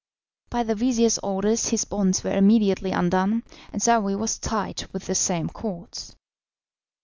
By the vizir's orders his bonds were immediately undone, and Saouy was tied with the same cords.